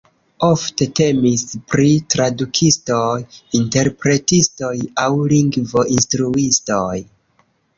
Ofte temis pri tradukistoj, interpretistoj aŭ lingvo-instruistoj.